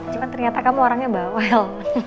cuma ternyata kamu orangnya bawel